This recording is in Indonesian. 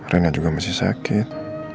rina juga masih sakit